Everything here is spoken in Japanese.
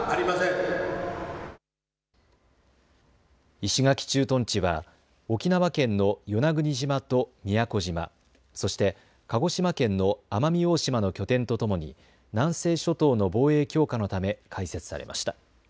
石垣駐屯地は沖縄県の与那国島と宮古島、そして鹿児島県の奄美大島の拠点とともに南西諸島の防衛強化のため開設されました。